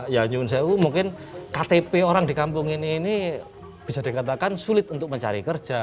ya nyumun saya ku mungkin ktp orang di kampung ini bisa dikatakan sulit untuk mencari kerja